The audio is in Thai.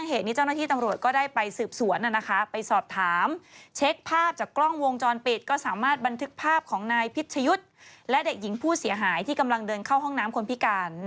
เหตุนี้เจ้าหน้าที่ตำรวจก็ได้ไปสืบสวนไปสอบถามเช็คภาพจากกล้องวงจรปิดก็สามารถบันทึกภาพของนายพิชยุทธ์และเด็กหญิงผู้เสียหายที่กำลังเดินเข้าห้องน้ำคนพิการ